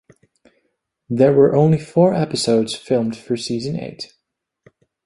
There were only four episodes filmed for season eight.